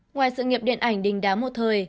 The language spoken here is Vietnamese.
ngoài sự nghiệp điện ảnh đình đám một thời